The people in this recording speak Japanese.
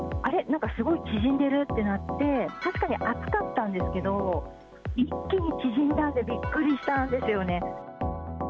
なんかすごい縮んでるってなって、確かに暑かったんですけど、一気に縮んだんで、びっくりしたんですよね。